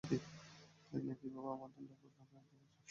দেখলেন কীভাবে আমাদের লোক ওদের বিভ্রান্ত করছে?